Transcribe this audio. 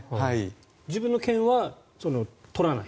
自分の腱は取らない？